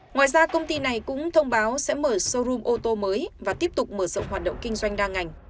ngoài ra công ty này cũng thông báo sẽ mở showroom ô tô mới và tiếp tục mở rộng hoạt động kinh doanh đa ngành